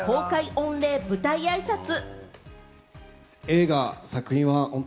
御礼舞台あいさつ。